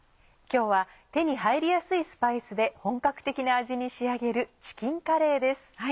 今日は手に入りやすいスパイスで本格的な味に仕上げる「チキンカレー」です。